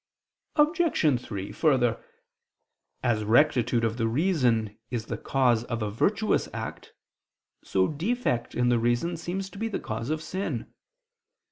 Obj. 3: Further, as rectitude of the reason is the cause of a virtuous act, so defect in the reason seems to be the cause of sin.